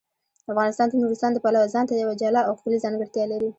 افغانستان د نورستان د پلوه ځانته یوه جلا او ښکلې ځانګړتیا لري.